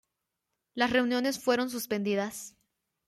Las reuniones fueron suspendidas.